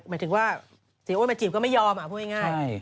หมายถึงว่าเสียอ้วนมาจีบก็ไม่ยอมพูดง่าย